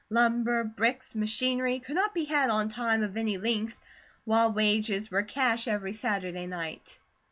Lumber, bricks, machinery, could not be had on time of any length, while wages were cash every Saturday night.